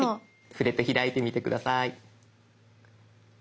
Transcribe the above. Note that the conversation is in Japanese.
触れて開いてみて下さい。